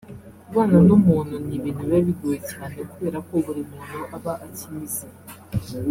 Kubana n’umuntu ni ibintu biba bigoye cyane kubera ko buri muntu aba akina ize